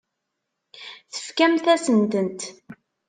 Tefkamt-asen-tent.